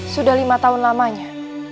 sudah lima tahun lamanya